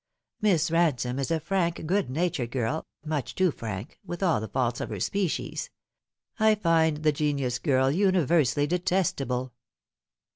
Miss Bansome is a frank, good natured girl much too frank with all the faults of her species. I find the genus girl universally detestable."